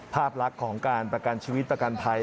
ภาพลักษณ์ของการประกันชีวิตประกันภัย